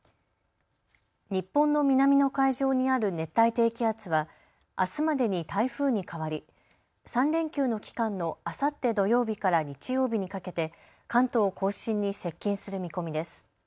日本の南の海上にある熱帯低気圧はあすまでに台風に変わり３連休の期間のあさって土曜日から日曜日にかけて関東甲信に接近する見込みです。